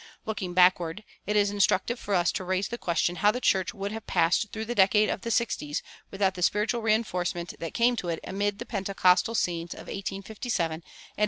Looking backward, it is instructive for us to raise the question how the church would have passed through the decade of the sixties without the spiritual reinforcement that came to it amid the pentecostal scenes of 1857 and 1858.